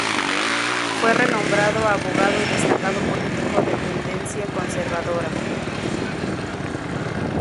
Fue renombrado abogado y destacado político de tendencia conservadora.